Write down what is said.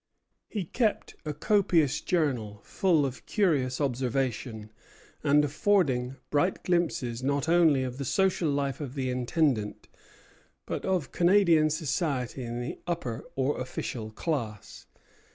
He kept a copious journal, full of curious observation, and affording bright glimpses not only of the social life of the Intendant, but of Canadian society in the upper or official class.